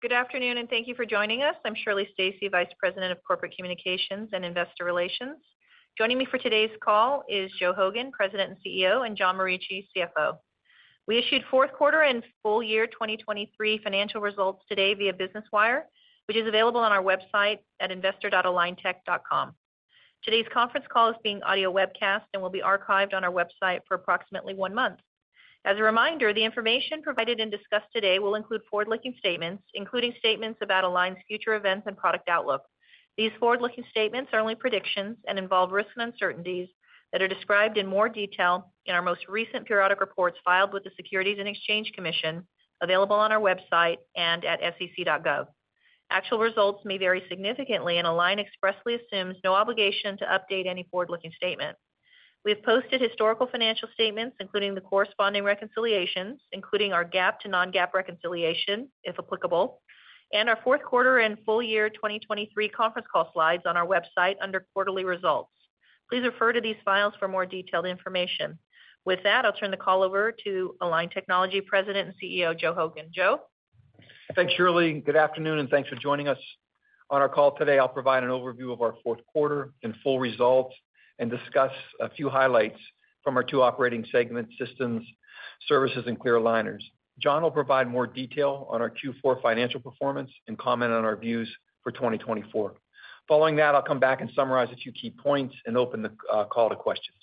Good afternoon, and thank you for joining us. I'm Shirley Stacy, Vice President of Corporate Communications and Investor Relations. Joining me for today's call is Joe Hogan, President and CEO, and John Morici, CFO. We issued fourth quarter and full year 2023 financial results today via Business Wire, which is available on our website at investor.aligntech.com. Today's conference call is being audio webcast and will be archived on our website for approximately one month. As a reminder, the information provided and discussed today will include forward-looking statements, including statements about Align's future events and product outlook. These forward-looking statements are only predictions and involve risks and uncertainties that are described in more detail in our most recent periodic reports filed with the Securities and Exchange Commission, available on our website and at sec.gov. Actual results may vary significantly, and Align expressly assumes no obligation to update any forward-looking statement. We have posted historical financial statements, including the corresponding reconciliations, including our GAAP to non-GAAP reconciliation, if applicable, and our fourth quarter and full year 2023 conference call slides on our website under quarterly results. Please refer to these files for more detailed information. With that, I'll turn the call over to Align Technology President and CEO, Joe Hogan. Joe? Thanks, Shirley. Good afternoon, and thanks for joining us on our call today. I'll provide an overview of our fourth quarter and full results and discuss a few highlights from our two operating segments, systems, services, and clear aligners. John will provide more detail on our Q4 financial performance and comment on our views for 2024. Following that, I'll come back and summarize a few key points and open the call to questions.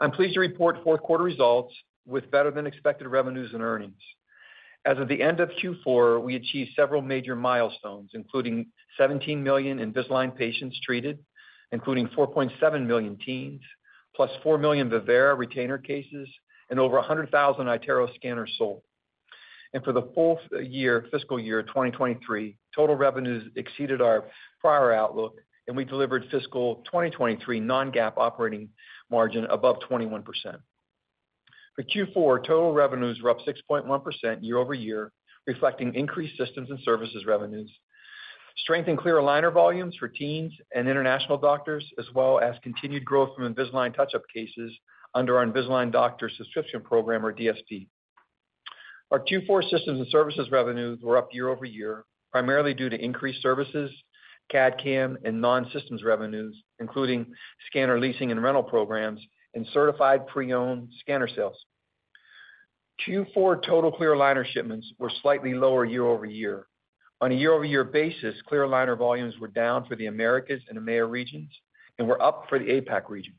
I'm pleased to report fourth quarter results with better-than-expected revenues and earnings. As of the end of Q4, we achieved several major milestones, including 17 million Invisalign patients treated, including 4.7 million teens, +4 million Vivera retainer cases, and over 100,000 iTero scanners sold. For the full year, fiscal year 2023, total revenues exceeded our prior outlook, and we delivered fiscal 2023 non-GAAP operating margin above 21%. For Q4, total revenues were up 6.1% year-over-year, reflecting increased systems and services revenues, strength in clear aligner volumes for teens and international doctors, as well as continued growth from Invisalign touch-up cases under our Invisalign Doctor Subscription Program, or DSP. Our Q4 systems and services revenues were up year-over-year, primarily due to increased services, CAD/CAM, and non-systems revenues, including scanner leasing and rental programs and certified pre-owned scanner sales. Q4 total clear aligner shipments were slightly lower year-over-year. On a year-over-year basis, clear aligner volumes were down for the Americas and EMEA regions and were up for the APAC regions.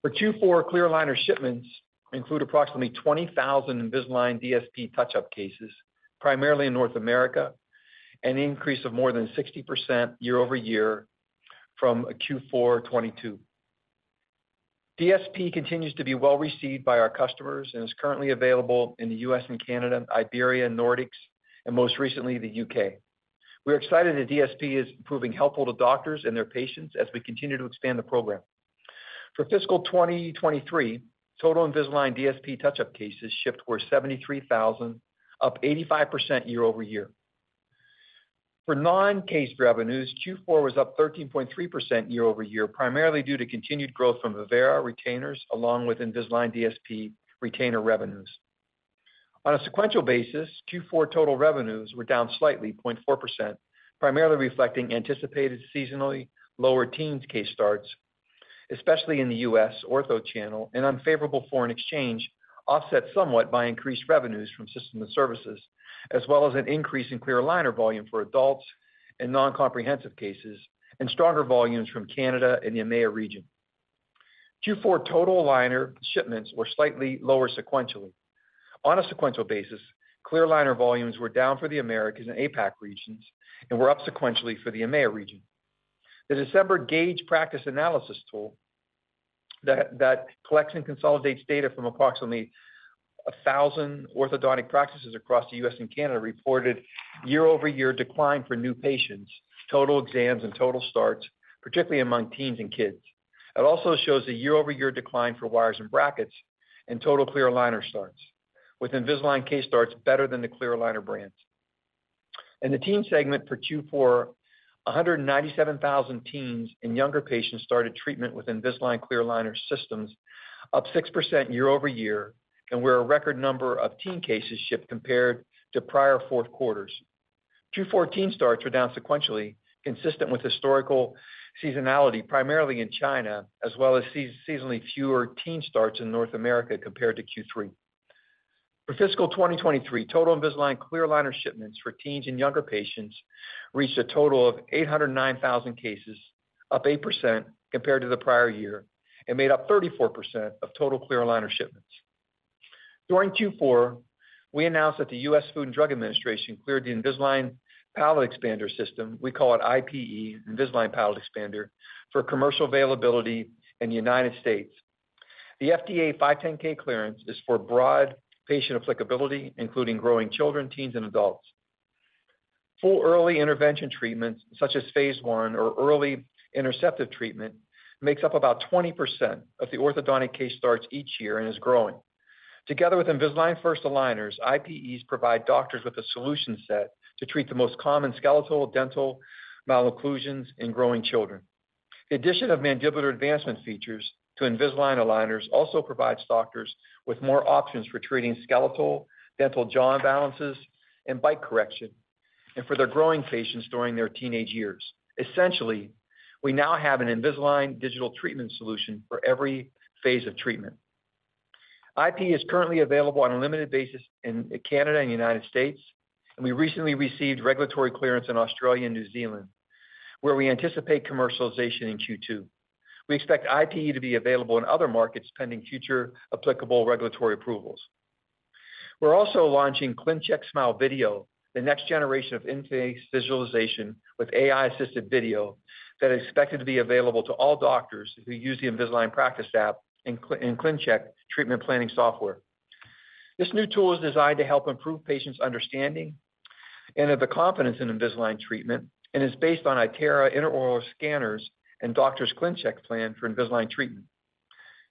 For Q4, clear aligner shipments include approximately 20,000 Invisalign DSP touch-up cases, primarily in North America, an increase of more than 60% year-over-year from Q4 2022. DSP continues to be well received by our customers and is currently available in the U.S. and Canada, Iberia, Nordics, and most recently, the U.K. We're excited that DSP is proving helpful to doctors and their patients as we continue to expand the program. For fiscal 2023, total Invisalign DSP touch-up cases shipped were 73,000, up 85% year-over-year. For non-case revenues, Q4 was up 13.3% year-over-year, primarily due to continued growth from Vivera retainers along with Invisalign DSP retainer revenues. On a sequential basis, Q4 total revenues were down slightly, 0.4%, primarily reflecting anticipated seasonally lower teens case starts, especially in the U.S. Ortho channel, and unfavorable foreign exchange, offset somewhat by increased revenues from system and services, as well as an increase in clear aligner volume for adults and non-comprehensive cases, and stronger volumes from Canada and the EMEA region. Q4 total aligner shipments were slightly lower sequentially. On a sequential basis, clear aligner volumes were down for the Americas and APAC regions and were up sequentially for the EMEA region. The December Gauge Practice Analysis tool that collects and consolidates data from approximately 1,000 orthodontic practices across the U.S. and Canada, reported year-over-year decline for new patients, total exams, and total starts, particularly among teens and kids. It also shows a year-over-year decline for wires and brackets and total clear aligner starts, with Invisalign case starts better than the clear aligner brands. In the teen segment for Q4, 197,000 teens and younger patients started treatment with Invisalign clear aligner systems, up 6% year-over-year, and were a record number of teen cases shipped compared to prior fourth quarters. Q4 teen starts were down sequentially, consistent with historical seasonality, primarily in China, as well as seasonally fewer teen starts in North America compared to Q3. For fiscal 2023, total Invisalign clear aligner shipments for teens and younger patients reached a total of 809,000 cases, up 8% compared to the prior year, and made up 34% of total clear aligner shipments. During Q4, we announced that the U.S. Food and Drug Administration cleared the Invisalign Palate Expander system, we call it IPE, Invisalign Palate Expander, for commercial availability in the United States. The FDA 510(k) clearance is for broad patient applicability, including growing children, teens, and adults. Full early intervention treatments, such as phase one or early interceptive treatment, makes up about 20% of the orthodontic case starts each year and is growing. Together with Invisalign First aligners, IPEs provide doctors with a solution set to treat the most common skeletal dental malocclusions in growing children....The addition of mandibular advancement features to Invisalign aligners also provides doctors with more options for treating skeletal, dental jaw imbalances, and bite correction, and for their growing patients during their teenage years. Essentially, we now have an Invisalign digital treatment solution for every phase of treatment. IPE is currently available on a limited basis in Canada and the United States, and we recently received regulatory clearance in Australia and New Zealand, where we anticipate commercialization in Q2. We expect IPE to be available in other markets, pending future applicable regulatory approvals. We're also launching ClinCheck Smile Video, the next generation of in-face visualization with AI-assisted video that is expected to be available to all doctors who use the Invisalign Practice App and ClinCheck treatment planning software. This new tool is designed to help improve patients' understanding and confidence in Invisalign treatment, and is based on iTero intraoral scanners and doctor's ClinCheck plan for Invisalign treatment.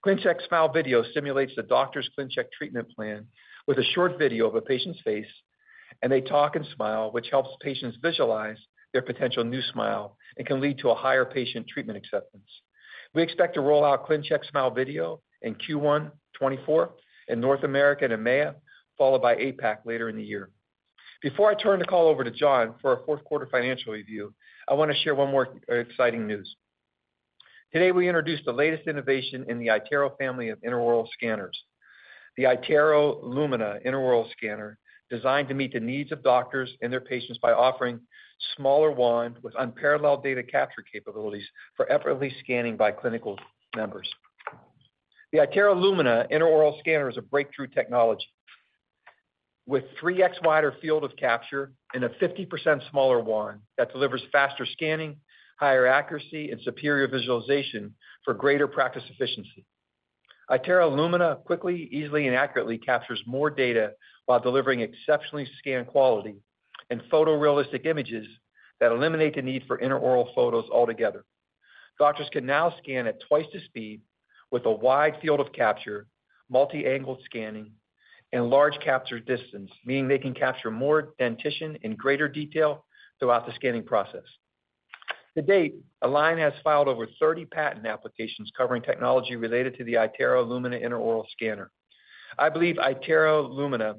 ClinCheck Smile Video simulates the doctor's ClinCheck treatment plan with a short video of a patient's face, and they talk and smile, which helps patients visualize their potential new smile and can lead to a higher patient treatment acceptance. We expect to roll out ClinCheck Smile Video in Q1 2024 in North America and EMEA, followed by APAC later in the year. Before I turn the call over to John for our fourth quarter financial review, I want to share one more, exciting news. Today, we introduced the latest innovation in the iTero family of intraoral scanners. The iTero Lumina intraoral scanner, designed to meet the needs of doctors and their patients by offering smaller wand with unparalleled data capture capabilities for effortlessly scanning by clinical members. The iTero Lumina intraoral scanner is a breakthrough technology, with 3X wider field of capture and a 50% smaller wand that delivers faster scanning, higher accuracy, and superior visualization for greater practice efficiency. iTero Lumina quickly, easily, and accurately captures more data while delivering exceptional scan quality and photorealistic images that eliminate the need for intraoral photos altogether. Doctors can now scan at twice the speed with a wide field of capture, multi-angle scanning, and large capture distance, meaning they can capture more dentition in greater detail throughout the scanning process. To date, Align has filed over 30 patent applications covering technology related to the iTero Lumina intraoral scanner. I believe iTero Lumina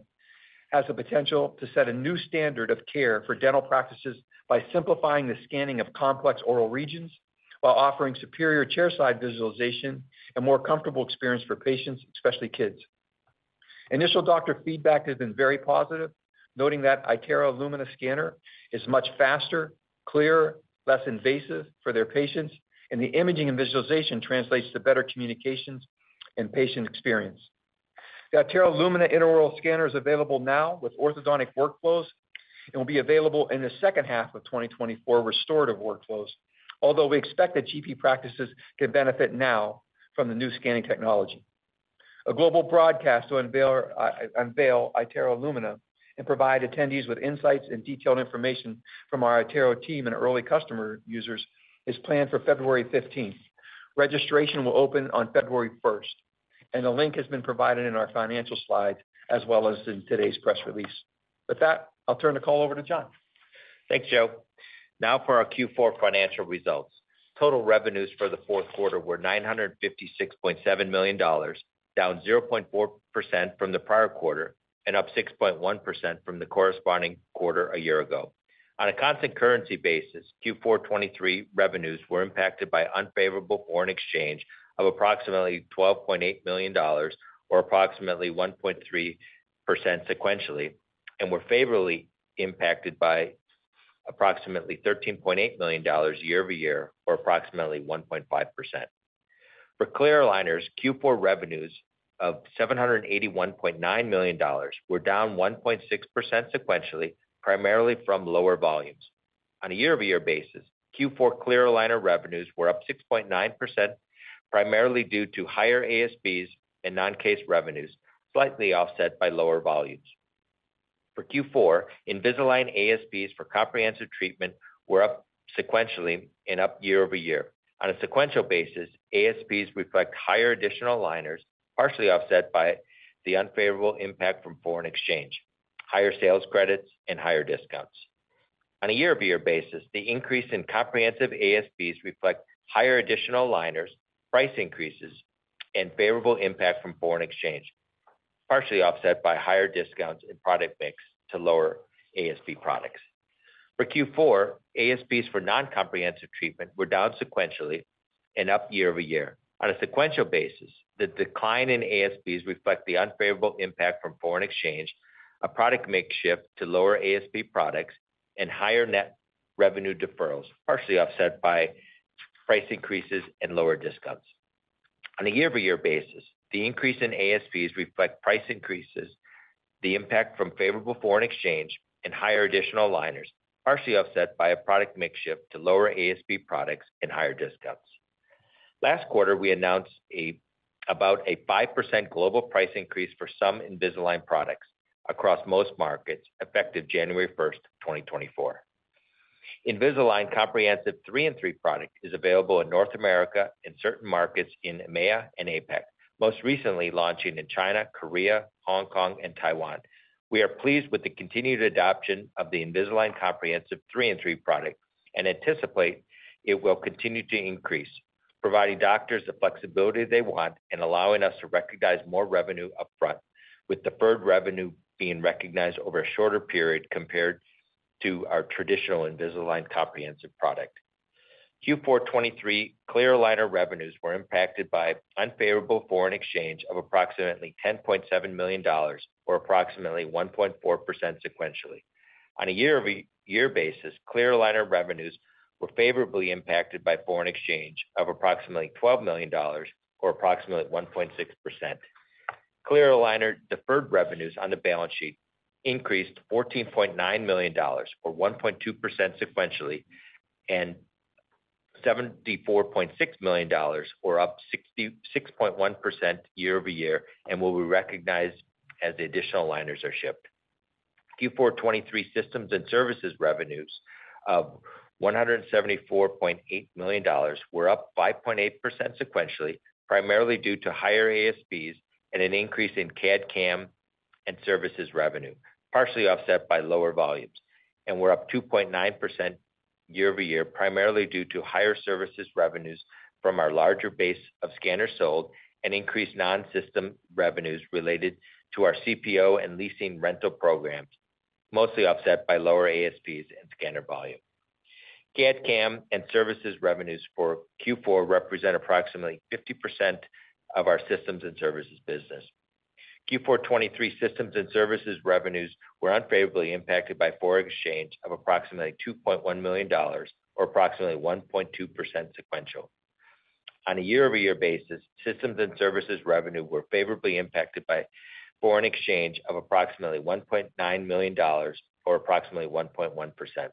has the potential to set a new standard of care for dental practices by simplifying the scanning of complex oral regions while offering superior chairside visualization and more comfortable experience for patients, especially kids. Initial doctor feedback has been very positive, noting that iTero Lumina scanner is much faster, clearer, less invasive for their patients, and the imaging and visualization translates to better communications and patient experience. The iTero Lumina intraoral scanner is available now with orthodontic workflows and will be available in the second half of 2024 restorative workflows, although we expect that GP practices can benefit now from the new scanning technology. A global broadcast to unveil iTero Lumina and provide attendees with insights and detailed information from our iTero team and early customer users, is planned for February fifteenth. Registration will open on February first, and a link has been provided in our financial slides as well as in today's press release. With that, I'll turn the call over to John. Thanks, Joe. Now for our Q4 financial results. Total revenues for the fourth quarter were $956.7 million, down 0.4% from the prior quarter and up 6.1% from the corresponding quarter a year ago. On a constant currency basis, Q4 2023 revenues were impacted by unfavorable foreign exchange of approximately $12.8 million, or approximately 1.3% sequentially, and were favorably impacted by approximately $13.8 million year-over-year, or approximately 1.5%. For clear aligners, Q4 revenues of $781.9 million were down 1.6% sequentially, primarily from lower volumes. On a year-over-year basis, Q4 clear aligner revenues were up 6.9%, primarily due to higher ASPs and non-case revenues, slightly offset by lower volumes. For Q4, Invisalign ASPs for comprehensive treatment were up sequentially and up year-over-year. On a sequential basis, ASPs reflect higher additional aligners, partially offset by the unfavorable impact from foreign exchange, higher sales credits, and higher discounts. On a year-over-year basis, the increase in comprehensive ASPs reflect higher additional aligners, price increases, and favorable impact from foreign exchange, partially offset by higher discounts and product mix to lower ASP products. For Q4, ASPs for non-comprehensive treatment were down sequentially and up year-over-year. On a sequential basis, the decline in ASPs reflect the unfavorable impact from foreign exchange, a product mix shift to lower ASP products, and higher net revenue deferrals, partially offset by price increases and lower discounts. On a year-over-year basis, the increase in ASPs reflect price increases, the impact from favorable foreign exchange, and higher additional aligners, partially offset by a product mix shift to lower ASP products and higher discounts. Last quarter, we announced about a 5% global price increase for some Invisalign products across most markets, effective January 1, 2024. Invisalign Comprehensive Three and Three product is available in North America and certain markets in EMEA and APAC, most recently launching in China, Korea, Hong Kong, and Taiwan. We are pleased with the continued adoption of the Invisalign Comprehensive Three and Three product and anticipate it will continue to increase, providing doctors the flexibility they want and allowing us to recognize more revenue upfront, with deferred revenue being recognized over a shorter period compared to our traditional Invisalign Comprehensive product. Q4 2023, clear aligner revenues were impacted by unfavorable foreign exchange of approximately $10.7 million, or approximately 1.4% sequentially. On a year-over-year basis, clear aligner revenues were favorably impacted by foreign exchange of approximately $12 million, or approximately 1.6%. Clear aligner deferred revenues on the balance sheet increased $14.9 million, or 1.2% sequentially, and $74.6 million, or up 66.1% year-over-year, and will be recognized as the additional aligners are shipped. Q4 2023 systems and services revenues of $174.8 million were up 5.8 sequentially, primarily due to higher ASPs and an increase in CAD/CAM and services revenue, partially offset by lower volumes, and were up 2.9% year-over-year, primarily due to higher services revenues from our larger base of scanners sold and increased non-system revenues related to our CPO and leasing rental programs, mostly offset by lower ASPs and scanner volume. CAD/CAM and services revenues for Q4 represent approximately 50% of our systems and services business. Q4 2023 systems and services revenues were unfavorably impacted by foreign exchange of approximately $2.1 million, or approximately 1.2% sequential. On a year-over-year basis, systems and services revenue were favorably impacted by foreign exchange of approximately $1.9 million, or approximately 1.1%.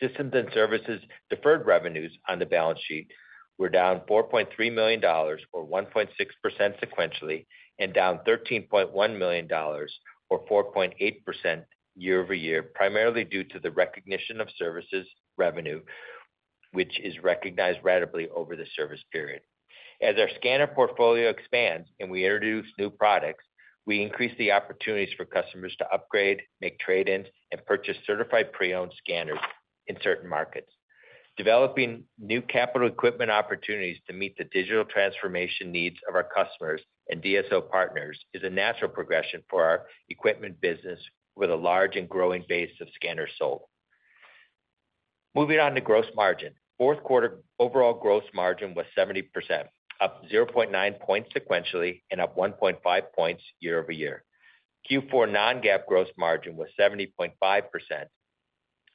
Systems and services deferred revenues on the balance sheet were down $4.3 million, or 1.6% sequentially, and down $13.1 million, or 4.8% year-over-year, primarily due to the recognition of services revenue, which is recognized ratably over the service period. As our scanner portfolio expands and we introduce new products, we increase the opportunities for customers to upgrade, make trade-ins, and purchase certified pre-owned scanners in certain markets. Developing new capital equipment opportunities to meet the digital transformation needs of our customers and DSO partners is a natural progression for our equipment business, with a large and growing base of scanners sold. Moving on to gross margin. Fourth quarter overall gross margin was 70%, up 0.9 points sequentially and up 1.5 points year-over-year. Q4 non-GAAP gross margin was 70.5%,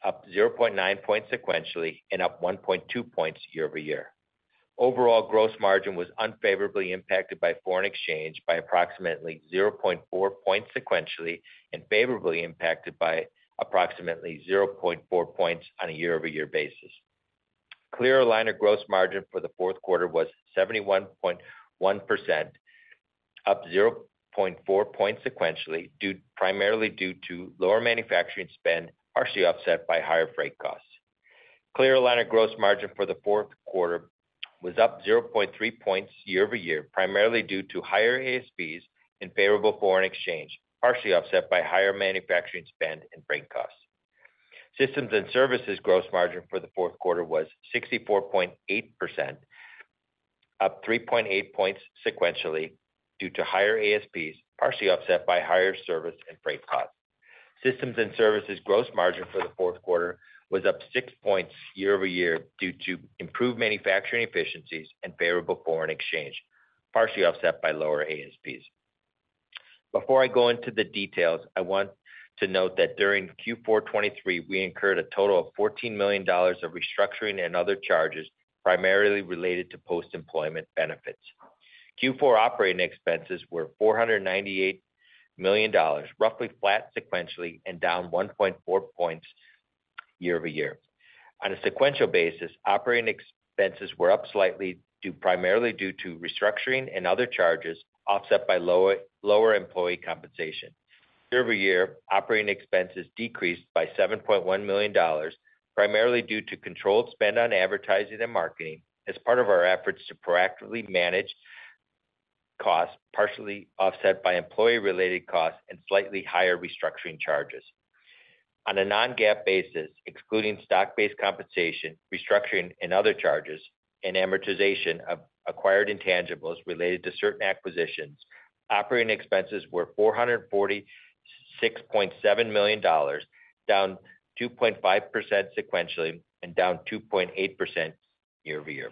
up 0.9 points sequentially and up 1.2 points year-over-year. Overall, gross margin was unfavorably impacted by foreign exchange by approximately 0.4 points sequentially and favorably impacted by approximately 0.4 points on a year-over-year basis. Clear aligner gross margin for the fourth quarter was 71.1%, up 0.4 points sequentially, primarily due to lower manufacturing spend, partially offset by higher freight costs. Clear aligner gross margin for the fourth quarter was up 0.3 points year-over-year, primarily due to higher ASPs and favorable foreign exchange, partially offset by higher manufacturing spend and freight costs. Systems and services gross margin for the fourth quarter was 64.8%, up 3.8 points sequentially due to higher ASPs, partially offset by higher service and freight costs. Systems and services gross margin for the fourth quarter was up 6 points year-over-year due to improved manufacturing efficiencies and favorable foreign exchange, partially offset by lower ASPs. Before I go into the details, I want to note that during Q4 2023, we incurred a total of $14 million of restructuring and other charges, primarily related to post-employment benefits. Q4 operating expenses were $498 million, roughly flat sequentially and down 1.4 points year-over-year. On a sequential basis, operating expenses were up slightly, due primarily due to restructuring and other charges, offset by lower employee compensation. Year-over-year, operating expenses decreased by $7.1 million, primarily due to controlled spend on advertising and marketing as part of our efforts to proactively manage costs, partially offset by employee-related costs and slightly higher restructuring charges. On a non-GAAP basis, excluding stock-based compensation, restructuring and other charges, and amortization of acquired intangibles related to certain acquisitions, operating expenses were $446.7 million, down 2.5% sequentially and down 2.8% year-over-year.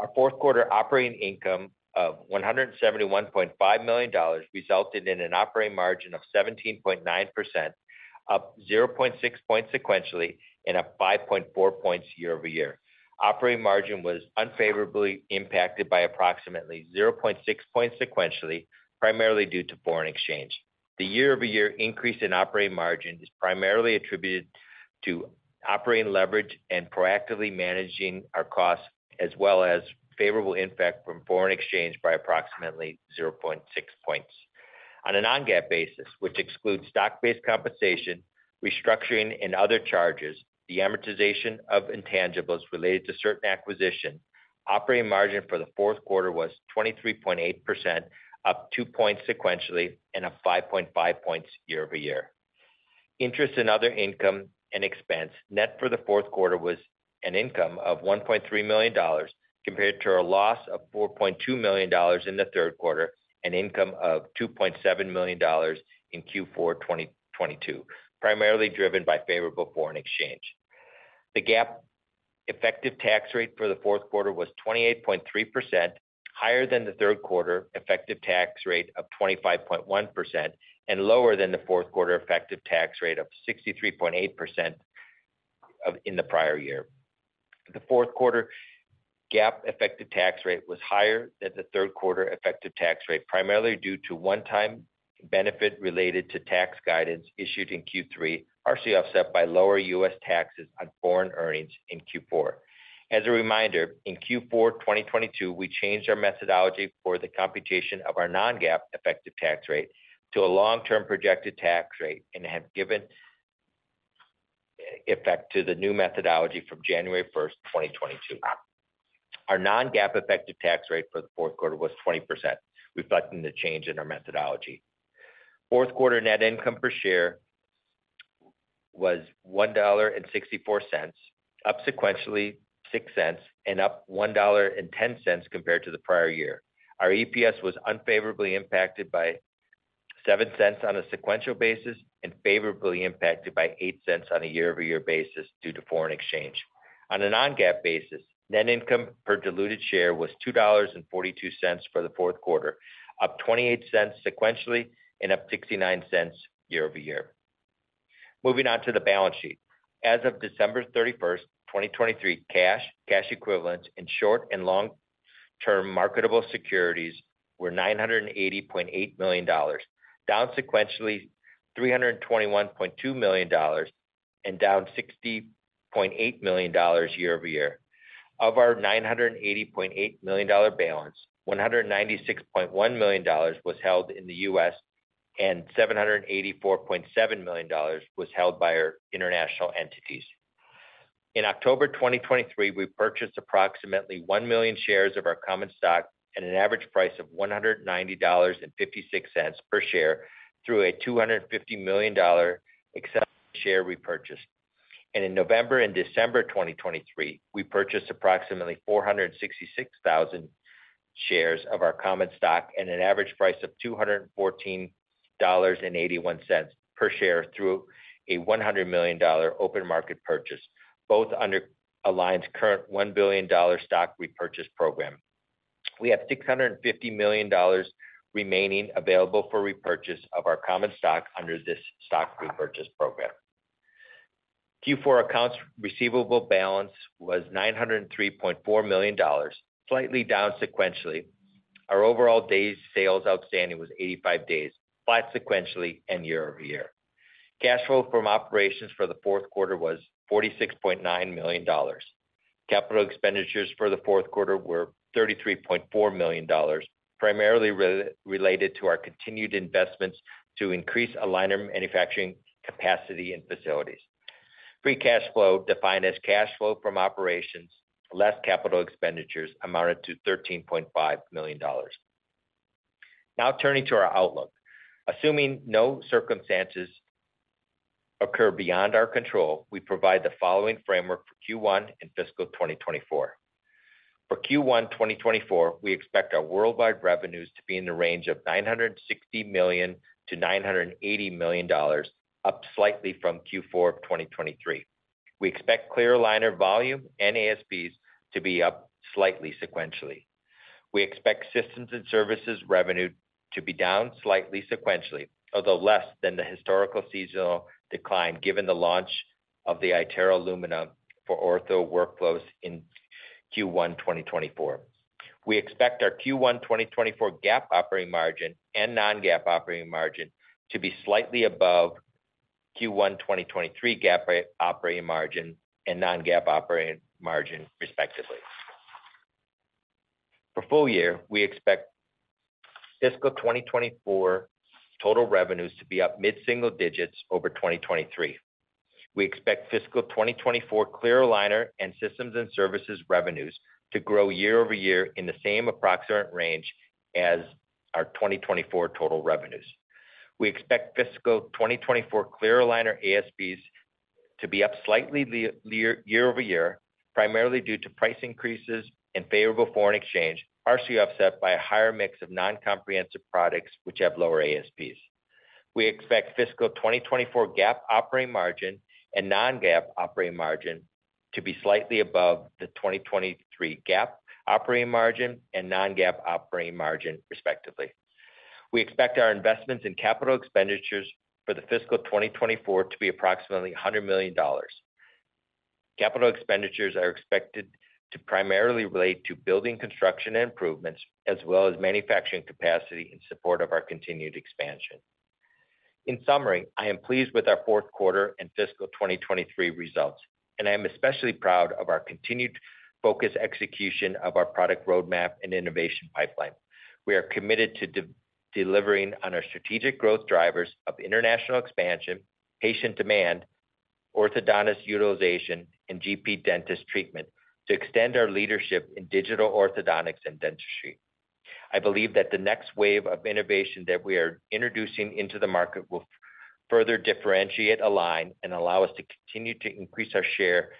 Our fourth quarter operating income of $171.5 million resulted in an operating margin of 17.9%, up 0.6 points sequentially and up 5.4 points year-over-year. Operating margin was unfavorably impacted by approximately 0.6 points sequentially, primarily due to foreign exchange. The year-over-year increase in operating margin is primarily attributed to operating leverage and proactively managing our costs, as well as favorable impact from foreign exchange by approximately 0.6 points. On a Non-GAAP basis, which excludes stock-based compensation, restructuring and other charges, the amortization of intangibles related to certain acquisition, operating margin for the fourth quarter was 23.8, up 2 points sequentially and up 5.5 points year-over-year. Interest and other income and expense, net for the fourth quarter was an income of $1.3 million, compared to our loss of $4.2 million in the third quarter, and income of $2.7 million in Q4 2022, primarily driven by favorable foreign exchange. The GAAP effective tax rate for the fourth quarter was 28.3%, higher than the third quarter effective tax rate of 25.1% and lower than the fourth quarter effective tax rate of 63.8% in the prior year. The fourth quarter GAAP effective tax rate was higher than the third quarter effective tax rate, primarily due to one-time benefit related to tax guidance issued in Q3, partially offset by lower U.S. taxes on foreign earnings in Q4. As a reminder, in Q4 2022, we changed our methodology for the computation of our non-GAAP effective tax rate to a long-term projected tax rate and have given effect to the new methodology from January first, 2022. Our non-GAAP effective tax rate for the fourth quarter was 20%, reflecting the change in our methodology. Fourth quarter net income per share was $1.64, up sequentially $0.06, and up $1.10 compared to the prior year. Our EPS was unfavorably impacted by $0.07 on a sequential basis and favorably impacted by $0.08 on a year-over-year basis due to foreign exchange. On a non-GAAP basis, net income per diluted share was $2.42 for the fourth quarter, up 28 cents sequentially and up 69 cents year-over-year. Moving on to the balance sheet. As of December 31, 2023, cash, cash equivalents, and short and long-term marketable securities were $980.8 million, down sequentially $321.2 million, and down $60.8 million year-over-year. Of our $980.8 million balance, $196.1 million was held in the U.S., and $784.7 million was held by our international entities. In October 2023, we purchased approximately 1 million shares of our common stock at an average price of $190.56 per share through a $250 million accelerated share repurchase. In November and December 2023, we purchased approximately 466,000 shares of our common stock at an average price of $214.81 per share through a $100 million open market purchase, both under Align's current $1 billion stock repurchase program. We have $650 million remaining available for repurchase of our common stock under this stock repurchase program. Q4 accounts receivable balance was $903.4 million, slightly down sequentially. Our overall days sales outstanding was 85 days, flat sequentially and year-over-year. Cash flow from operations for the fourth quarter was $46.9 million. Capital expenditures for the fourth quarter were $33.4 million, primarily related to our continued investments to increase aligner manufacturing capacity and facilities. Free cash flow, defined as cash flow from operations less capital expenditures, amounted to $13.5 million. Now turning to our outlook. Assuming no circumstances occur beyond our control, we provide the following framework for Q1 and fiscal 2024. For Q1 2024, we expect our worldwide revenues to be in the range of $960 million-$980 million, up slightly from Q4 of 2023. We expect clear aligner volume and ASPs to be up slightly sequentially. We expect systems and services revenue to be down slightly sequentially, although less than the historical seasonal decline, given the launch of the iTero Lumina for ortho workflows in Q1 2024. We expect our Q1 2024 GAAP operating margin and non-GAAP operating margin to be slightly above Q1 2023 GAAP operating margin and non-GAAP operating margin, respectively. For full year, we expect fiscal 2024 total revenues to be up mid-single digits over 2023. We expect fiscal 2024 clear aligner and systems and services revenues to grow year-over-year in the same approximate range as our 2024 total revenues. We expect fiscal 2024 clear aligner ASPs to be up slightly year-over-year, primarily due to price increases and favorable foreign exchange, partially offset by a higher mix of non-comprehensive products, which have lower ASPs. We expect fiscal 2024 GAAP operating margin and non-GAAP operating margin to be slightly above the 2023 GAAP operating margin and non-GAAP operating margin, respectively. We expect our investments in capital expenditures for the fiscal 2024 to be approximately $100 million. Capital expenditures are expected to primarily relate to building construction and improvements, as well as manufacturing capacity in support of our continued expansion. In summary, I am pleased with our fourth quarter and fiscal 2023 results, and I am especially proud of our continued focused execution of our product roadmap and innovation pipeline. We are committed to delivering on our strategic growth drivers of international expansion, patient demand, orthodontist utilization, and GP dentist treatment to extend our leadership in digital orthodontics and dentistry. I believe that the next wave of innovation that we are introducing into the market will further differentiate Align and allow us to continue to increase our share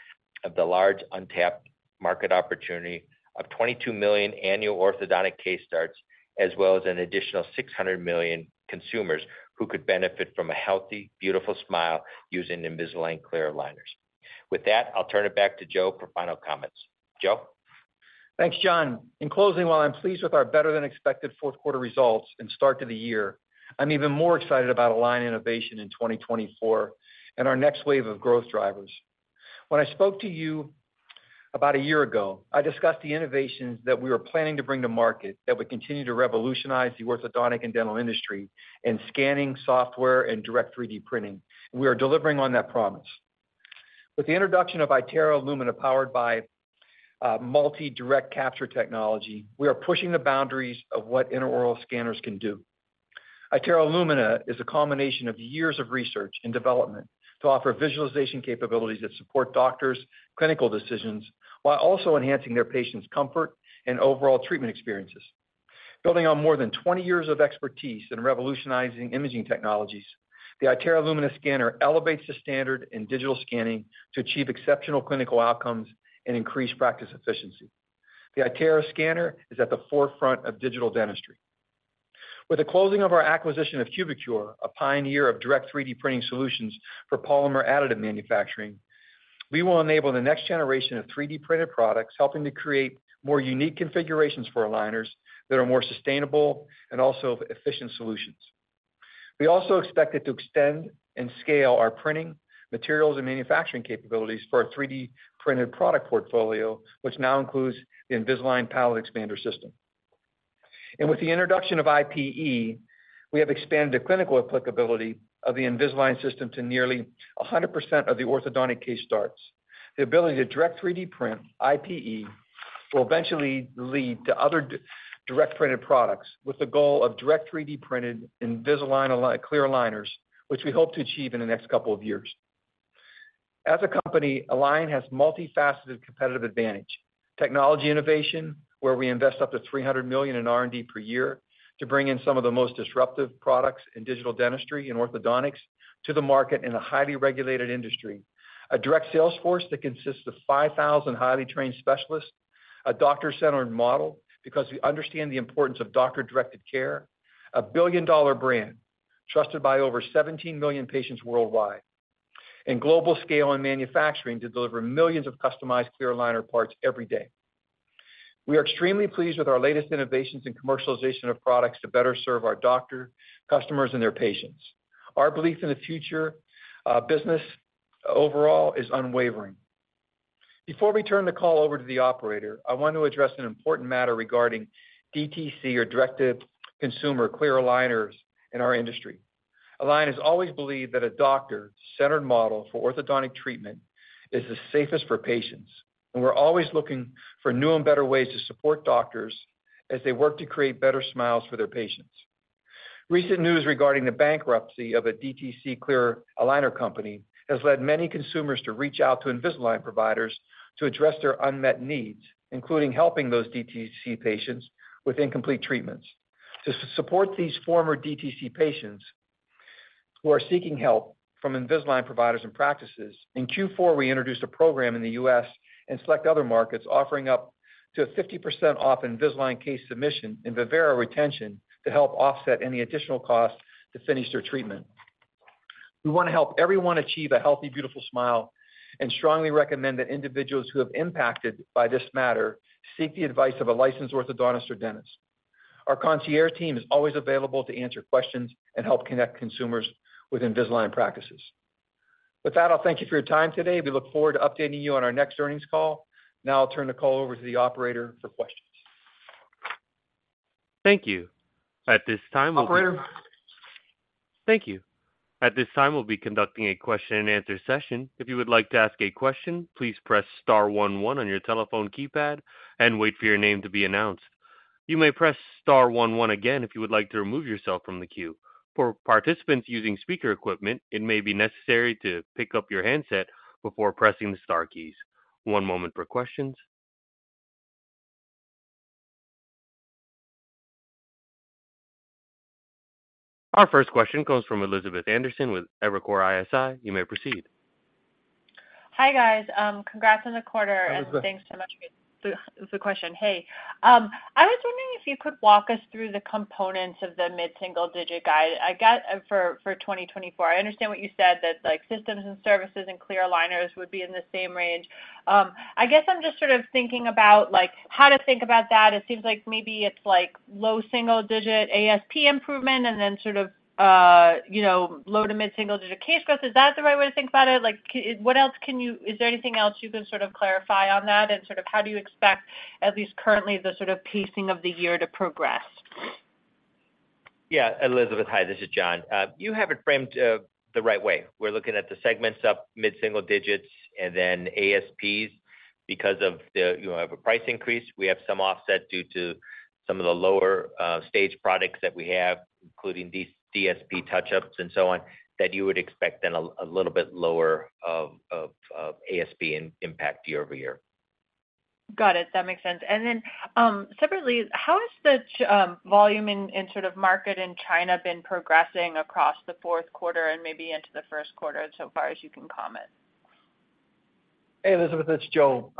of the large untapped market opportunity of 22 million annual orthodontic case starts, as well as an additional 600 million consumers who could benefit from a healthy, beautiful smile using Invisalign clear aligners. With that, I'll turn it back to Joe for final comments. Joe? Thanks, John. In closing, while I'm pleased with our better than expected fourth quarter results and start to the year, I'm even more excited about Align innovation in 2024 and our next wave of growth drivers. When I spoke to you about a year ago, I discussed the innovations that we were planning to bring to market that would continue to revolutionize the orthodontic and dental industry, and scanning software and direct 3D printing. We are delivering on that promise. With the introduction of iTero Lumina, powered by Multi-Direct Capture technology, we are pushing the boundaries of what intraoral scanners can do. iTero Lumina is a combination of years of research and development to offer visualization capabilities that support doctors' clinical decisions, while also enhancing their patients' comfort and overall treatment experiences. Building on more than 20 years of expertise in revolutionizing imaging technologies, the iTero Lumina scanner elevates the standard in digital scanning to achieve exceptional clinical outcomes and increase practice efficiency. The iTero scanner is at the forefront of digital dentistry. With the closing of our acquisition of Cubicure, a pioneer of direct 3D printing solutions for polymer additive manufacturing, we will enable the next generation of 3D printed products, helping to create more unique configurations for aligners that are more sustainable and also efficient solutions. We also expect it to extend and scale our printing, materials, and manufacturing capabilities for our 3D printed product portfolio, which now includes the Invisalign Palate Expander system. With the introduction of IPE, we have expanded the clinical applicability of the Invisalign System to nearly 100% of the orthodontic case starts. The ability to direct 3D print IPE will eventually lead to other direct printed products, with the goal of direct 3D printed Invisalign clear aligners, which we hope to achieve in the next couple of years. As a company, Align has multifaceted competitive advantage, technology innovation, where we invest up to $300 million in R&D per year to bring in some of the most disruptive products in digital dentistry and orthodontics to the market in a highly regulated industry. A direct sales force that consists of 5,000 highly trained specialists, a doctor-centered model, because we understand the importance of doctor-directed care, a billion-dollar brand trusted by over 17 million patients worldwide, and global scale and manufacturing to deliver millions of customized clear aligner parts every day. We are extremely pleased with our latest innovations and commercialization of products to better serve our doctor, customers, and their patients. Our belief in the future, business overall is unwavering. Before we turn the call over to the operator, I want to address an important matter regarding DTC, or direct to consumer, clear aligners in our industry. Align has always believed that a doctor-centered model for orthodontic treatment is the safest for patients, and we're always looking for new and better ways to support doctors as they work to create better smiles for their patients. Recent news regarding the bankruptcy of a DTC clear aligner company has led many consumers to reach out to Invisalign providers to address their unmet needs, including helping those DTC patients with incomplete treatments. To support these former DTC patients who are seeking help from Invisalign providers and practices, in Q4, we introduced a program in the U.S. and select other markets, offering up to 50% off Invisalign case submission and Vivera retention to help offset any additional costs to finish their treatment. We want to help everyone achieve a healthy, beautiful smile and strongly recommend that individuals who have impacted by this matter seek the advice of a licensed orthodontist or dentist. Our concierge team is always available to answer questions and help connect consumers with Invisalign practices. With that, I'll thank you for your time today. We look forward to updating you on our next earnings call. Now I'll turn the call over to the operator for questions. Thank you. At this time, we'll- Operator? Thank you. At this time, we'll be conducting a question and answer session. If you would like to ask a question, please press star one one on your telephone keypad and wait for your name to be announced. You may press star one one again if you would like to remove yourself from the queue. For participants using speaker equipment, it may be necessary to pick up your handset before pressing the star keys. One moment for questions. Our first question comes from Elizabeth Anderson with Evercore ISI. You may proceed. Hi, guys. Congrats on the quarter- Hi, Elizabeth. Thanks so much for the question. Hey, I was wondering if you could walk us through the components of the mid-single-digit guide for 2024. I understand what you said, that, like, systems and services and clear aligners would be in the same range. I guess I'm just sort of thinking about, like, how to think about that. It seems like maybe it's, like, low-single-digit ASP improvement and then sort of, you know, low- to mid-single-digit case growth. Is that the right way to think about it? Like, what else can you—is there anything else you can sort of clarify on that, and sort of how do you expect, at least currently, the sort of pacing of the year to progress? Yeah, Elizabeth. Hi, this is John. You have it framed the right way. We're looking at the segments up mid-single digits and then ASPs because of the, you know, have a price increase. We have some offset due to some of the lower stage products that we have, including these DSP touch-ups and so on, that you would expect then a little bit lower ASP impact year-over-year. Got it. That makes sense. And then, separately, how has the volume in sort of market in China been progressing across the fourth quarter and maybe into the first quarter, so far as you can comment? Hey, Elizabeth, it's Joe.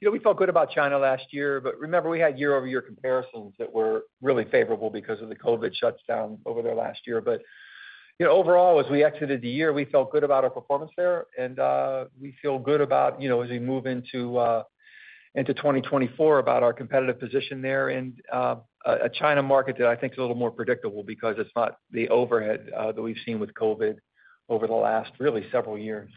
You know, we felt good about China last year, but remember, we had year-over-year comparisons that were really favorable because of the COVID shutdown over there last year. But, you know, overall, as we exited the year, we felt good about our performance there, and we feel good about, you know, as we move into 2024, about our competitive position there. And a China market that I think is a little more predictable because it's not the overhead that we've seen with COVID over the last really several years.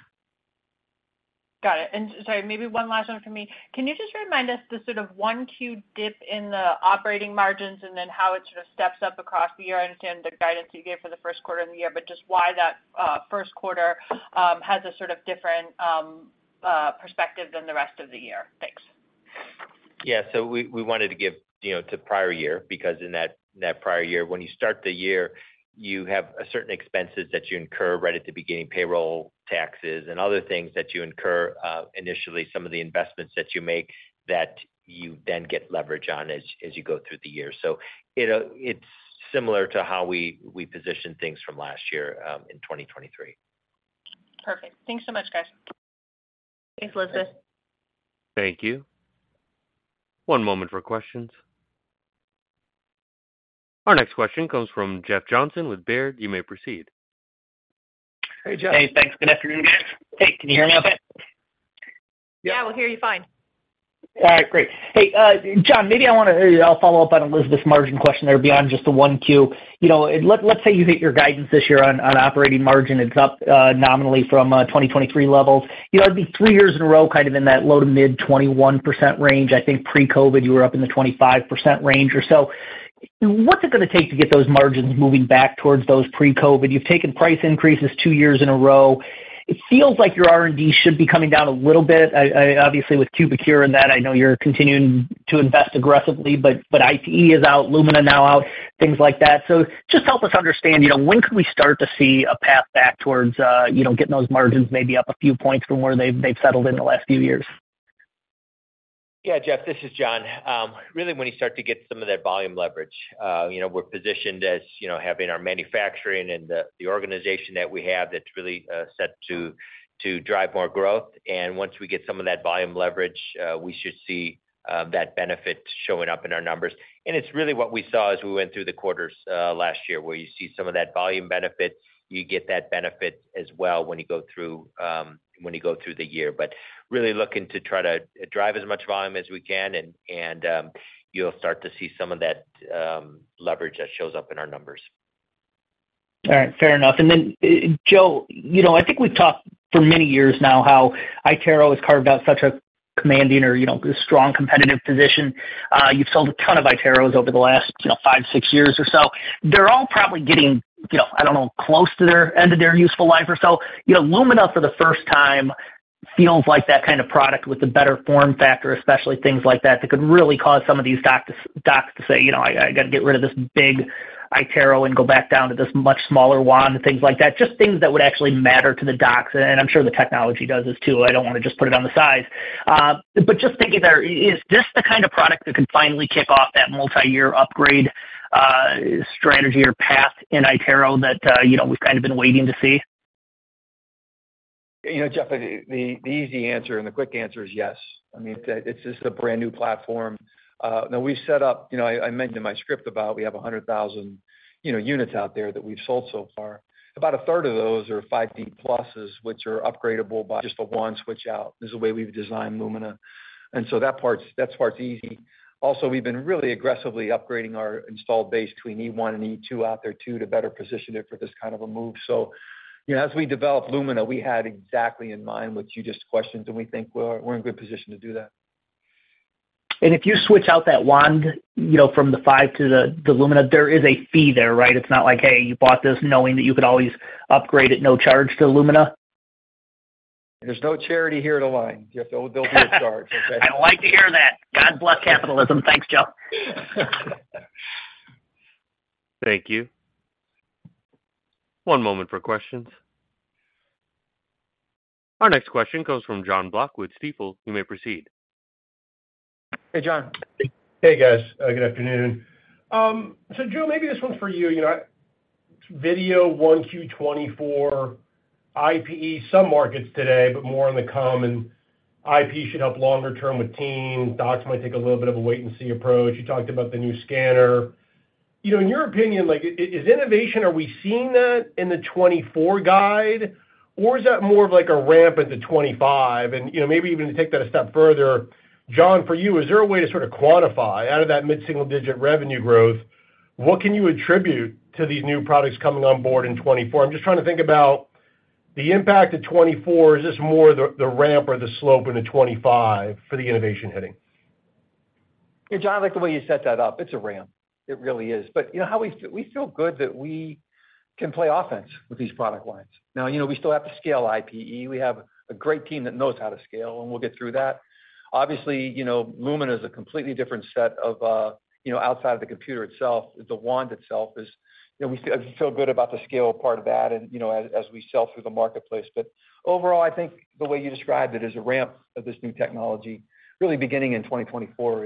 Got it. And sorry, maybe one last one from me. Can you just remind us the sort of one to two dip in the operating margins and then how it sort of steps up across the year? I understand the guidance you gave for the first quarter of the year, but just why that first quarter has a sort of different perspective than the rest of the year? Thanks. Yeah. So we, we wanted to give, you know, to prior year, because in that, that prior year, when you start the year, you have a certain expenses that you incur right at the beginning, payroll, taxes, and other things that you incur, initially, some of the investments that you make, that you then get leverage on as, as you go through the year. So it, it's similar to how we, we positioned things from last year, in 2023. Perfect. Thanks so much, guys. Thanks, Elizabeth. Thank you. One moment for questions. Our next question comes from Jeff Johnson with Baird. You may proceed. Hey, Jeff. Hey, thanks. Good afternoon, guys. Hey, can you hear me okay? Yeah. Yeah, we'll hear you fine. All right, great. Hey, John, maybe I want to, I'll follow up on Elizabeth's margin question there beyond just the one Q. You know, let's say you hit your guidance this year on operating margin. It's up, nominally from, 2023 levels. You know, it'd be three years in a row, kind of in that low to mid 21% range. I think pre-COVID, you were up in the 25% range or so. What's it gonna take to get those margins moving back towards those pre-COVID? You've taken price increases two years in a row. It feels like your R&D should be coming down a little bit. Obviously, with Cubicure and that, I know you're continuing to invest aggressively, but iTero is out, Lumina now out, things like that. Just help us understand, you know, when could we start to see a path back towards, you know, getting those margins maybe up a few points from where they've settled in the last few years? Yeah, Jeff, this is John. Really, when you start to get some of that volume leverage, you know, we're positioned as, you know, having our manufacturing and the organization that we have that's really set to drive more growth. And once we get some of that volume leverage, we should see that benefit showing up in our numbers. And it's really what we saw as we went through the quarters last year, where you see some of that volume benefit. You get that benefit as well when you go through, when you go through the year. But really looking to try to drive as much volume as we can, and you'll start to see some of that leverage that shows up in our numbers. All right. Fair enough. And then, Joe, you know, I think we've talked for many years now how iTero has carved out such a commanding or, you know, strong competitive position. You've sold a ton of iTeros over the last, you know, five, six years or so. They're all probably getting, you know, I don't know, close to their end of their useful life or so. You know, Lumina, for the first time, feels like that kind of product with the better form factor, especially things like that, that could really cause some of these docs, docs to say, "You know, I, I got to get rid of this big iTero and go back down to this much smaller wand," and things like that, just things that would actually matter to the docs. And I'm sure the technology does this, too. I don't want to just put it on the size. But just thinking there, is this the kind of product that could finally kick off that multiyear upgrade, strategy or path in iTero that, you know, we've kind of been waiting to see? You know, Jeff, the easy answer and the quick answer is yes. I mean, it's just a brand-new platform. Now we've set up... You know, I mentioned in my script about we have 100,000 units out there that we've sold so far. About a third of those are 5D pluses, which are upgradable by just a wand switch out, is the way we've designed Lumina. And so that part's easy. Also, we've been really aggressively upgrading our installed base between E1 and E2 out there, too, to better position it for this kind of a move. So, you know, as we developed Lumina, we had exactly in mind what you just questioned, and we think we're in good position to do that. If you switch out that wand, you know, from the five to the Lumina, there is a fee there, right? It's not like, "Hey, you bought this knowing that you could always upgrade at no charge to Lumina? There's no charity here at Align. You have to- there'll be a charge. I like to hear that. God bless capitalism. Thanks, Joe. Thank you. One moment for questions. Our next question comes from Jon Block with Stifel. You may proceed. Hey, Jon. Hey, guys, good afternoon. So Joe, maybe this one's for you. You know, V1 Q 2024, IPE, some markets today, but more on the come, and IPE should help longer term with teens. Docs might take a little bit of a wait-and-see approach. You talked about the new scanner. You know, in your opinion, like, is innovation, are we seeing that in the 2024 guide, or is that more of like a ramp into 2025? And, you know, maybe even to take that a step further, John, for you, is there a way to sort of quantify out of that mid-single-digit revenue growth, what can you attribute to these new products coming on board in 2024? I'm just trying to think about the impact of 2024. Is this more the ramp or the slope into 2025 for the innovation hitting? Yeah, Jon, I like the way you set that up. It's a ramp. It really is. But you know how we feel? We feel good that we can play offense with these product lines. Now, you know, we still have to scale IPE. We have a great team that knows how to scale, and we'll get through that. Obviously, you know, Lumina is a completely different set of, you know, outside of the computer itself, the wand itself is, you know, we feel good about the scale part of that and, you know, as we sell through the marketplace. But overall, I think the way you described it, as a ramp of this new technology, really beginning in 2024,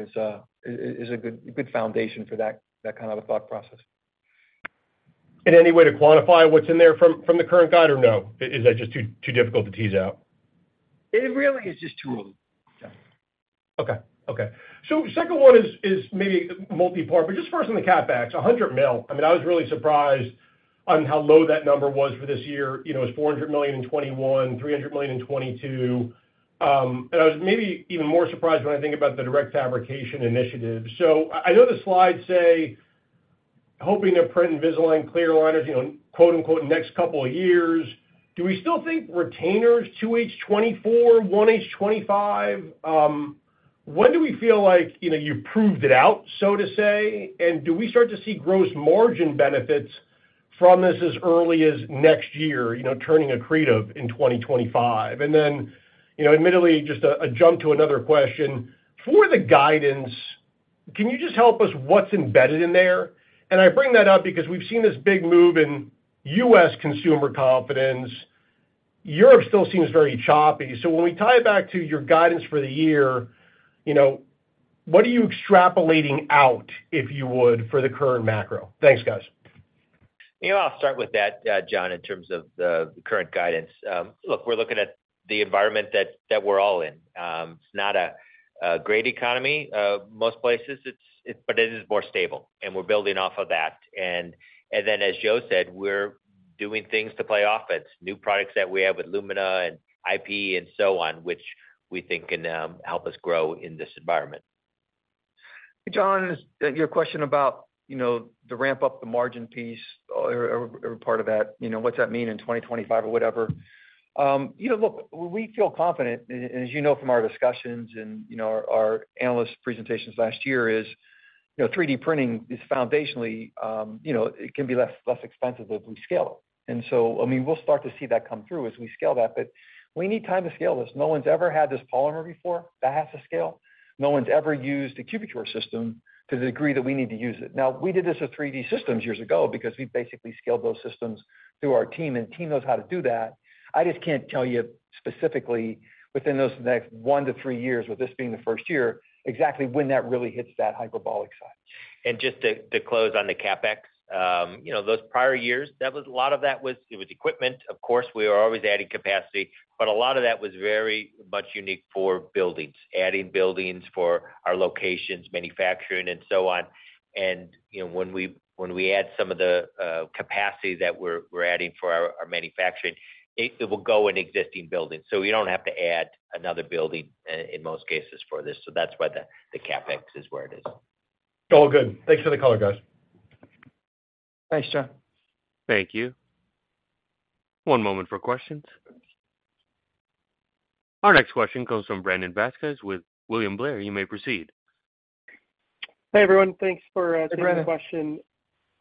is a good foundation for that kind of a thought process. Any way to quantify what's in there from the current guide or no? Is that just too difficult to tease out? It really is just too early, yeah. Okay. Okay. So second one is maybe multipart, but just first on the CapEx, $100 million. I mean, I was really surprised on how low that number was for this year. You know, it was $400 million in 2021, $300 million in 2022. And I was maybe even more surprised when I think about the direct fabrication initiative. So I know the slides say, hoping to print Invisalign clear liners, you know, quote, unquote, "next couple of years." Do we still think retainers, 2H 2024, 1H 2025? When do we feel like, you know, you've proved it out, so to say? And do we start to see gross margin benefits from this as early as next year, you know, turning accretive in 2025? And then, you know, admittedly, just a jump to another question. For the guidance, can you just help us what's embedded in there? And I bring that up because we've seen this big move in U.S. consumer confidence. Europe still seems very choppy. So when we tie it back to your guidance for the year, you know, what are you extrapolating out, if you would, for the current macro? Thanks, guys. You know, I'll start with that, Jon, in terms of the current guidance. Look, we're looking at the environment that we're all in. It's not a great economy most places, it's but it is more stable, and we're building off of that. And then, as Joe said, we're doing things to play offense, new products that we have with Lumina and IPE and so on, which we think can help us grow in this environment. Jon, your question about, you know, the ramp-up, the margin piece or part of that, you know, what's that mean in 2025 or whatever? You know, look, we feel confident, as you know from our discussions and, you know, our analyst presentations last year, 3D printing is foundationally, you know, it can be less expensive as we scale it. And so, I mean, we'll start to see that come through as we scale that, but we need time to scale this. No one's ever had this polymer before. That has to scale. No one's ever used a Cubicure system to the degree that we need to use it. Now, we did this with 3D Systems years ago because we basically scaled those systems through our team, and the team knows how to do that. I just can't tell you specifically within those next one to three years, with this being the first year, exactly when that really hits that hyperbolic side. And just to close on the CapEx, you know, those prior years, that was a lot of that was, it was equipment. Of course, we were always adding capacity, but a lot of that was very much unique for buildings, adding buildings for our locations, manufacturing and so on. And, you know, when we add some of the capacity that we're adding for our manufacturing, it will go in existing buildings. So we don't have to add another building in most cases for this. So that's why the CapEx is where it is. All good. Thanks for the color, guys. Thanks, John. Thank you. One moment for questions. Our next question comes from Brandon Vazquez with William Blair. You may proceed. Hey, everyone. Thanks for- Hey, Brandon. -taking the question.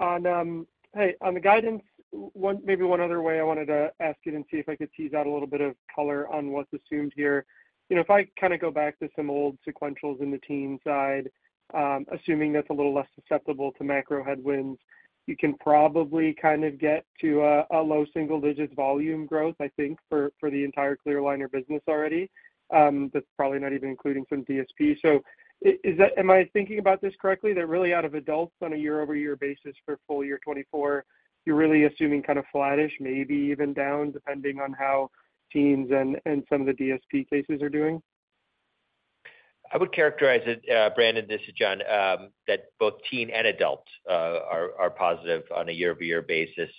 On, hey, on the guidance, one-- maybe one other way I wanted to ask you and see if I could tease out a little bit of color on what's assumed here. You know, if I kind of go back to some old sequentials in the teen side, assuming that's a little less susceptible to macro headwinds, you can probably kind of get to a, a low single-digit volume growth, I think, for, for the entire clear aligner business already. That's probably not even including some DSP. So is that-- am I thinking about this correctly, that really out of adults on a year-over-year basis for full year 2024, you're really assuming kind of flattish, maybe even down, depending on how teens and, and some of the DSP cases are doing? I would characterize it, Brandon, this is John, that both teen and adult are positive on a year-over-year basis.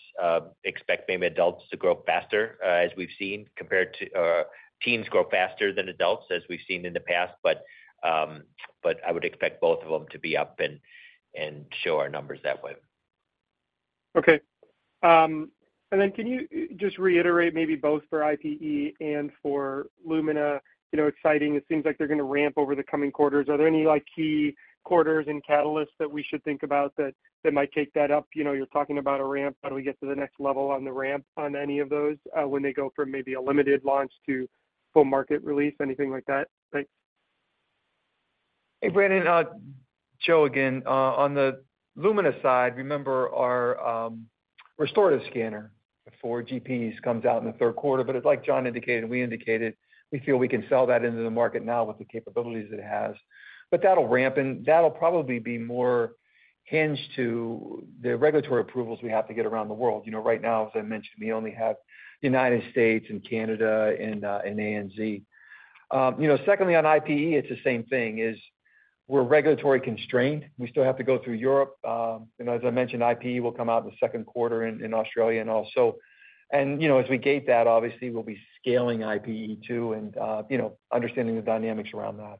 Expect maybe adults to grow faster, as we've seen, compared to teens grow faster than adults, as we've seen in the past. But, but I would expect both of them to be up and show our numbers that way. Okay. And then can you just reiterate, maybe both for IPE and for Lumina, you know, exciting, it seems like they're going to ramp over the coming quarters. Are there any, like, key quarters and catalysts that we should think about that might take that up? You know, you're talking about a ramp. How do we get to the next level on the ramp on any of those, when they go from maybe a limited launch to full market release? Anything like that? Thanks. Hey, Brandon, Joe again. On the Lumina side, remember our, restorative scanner for GPs comes out in the third quarter, but it's like John indicated, and we indicated, we feel we can sell that into the market now with the capabilities it has. But that'll ramp, and that'll probably be more hinged to the regulatory approvals we have to get around the world. You know, right now, as I mentioned, we only have the United States and Canada and, and ANZ. You know, secondly, on IPE, it's the same thing, we're regulatory constrained. We still have to go through Europe. You know, as I mentioned, IPE will come out in the second quarter in Australia and also. And, you know, as we gate that, obviously, we'll be scaling IPE, too, and, you know, understanding the dynamics around that.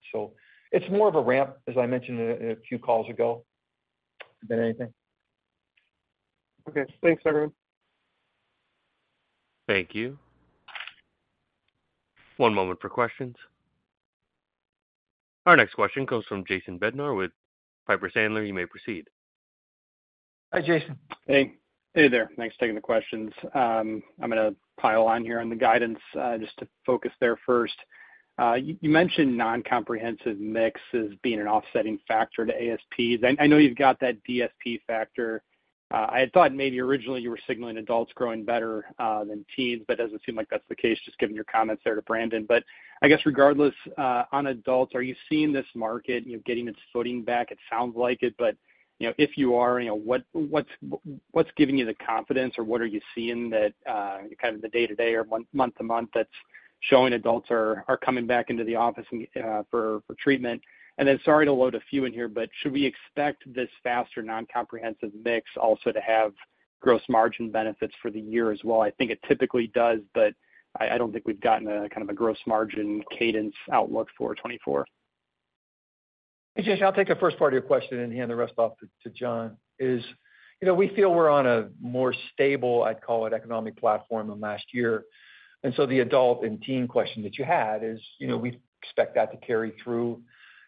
It's more of a ramp, as I mentioned a few calls ago, than anything. Okay. Thanks, everyone. Thank you. One moment for questions. Our next question comes from Jason Bednar with Piper Sandler. You may proceed. Hi, Jason. Hey. Hey there. Thanks for taking the questions. I'm gonna pile on here on the guidance, just to focus there first. You mentioned non-comprehensive mix as being an offsetting factor to ASPs. I know you've got that DSP factor. I had thought maybe originally you were signaling adults growing better than teens, but doesn't seem like that's the case, just given your comments there to Brandon. But I guess regardless, on adults, are you seeing this market, you know, getting its footing back? It sounds like it, but, you know, if you are, you know, what, what's giving you the confidence, or what are you seeing that kind of the day-to-day or month-to-month that's showing adults are coming back into the office for treatment? And then, sorry to load a few in here, but should we expect this faster non-comprehensive mix also to have gross margin benefits for the year as well? I think it typically does, but I, I don't think we've gotten a, kind of a gross margin cadence outlook for 2024. Hey, Jason, I'll take the first part of your question and hand the rest off to John. You know, we feel we're on a more stable, I'd call it, economic platform than last year. And so the adult and teen question that you had is, you know, we expect that to carry through